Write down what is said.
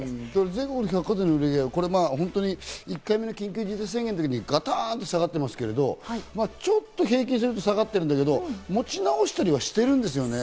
全国の百貨店の売上、１回目の緊急事態宣言の時、ガタンと下がっていますけど、ちょっと平均すると、下がってるんだけど持ち直したりはしてるんですよね。